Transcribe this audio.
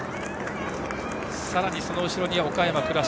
さらに、その後ろには岡山・倉敷。